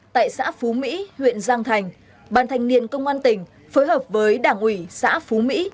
tại xã phú mỹ huyện giang thành ban thanh niên công an tỉnh phối hợp với đảng ủy xã phú mỹ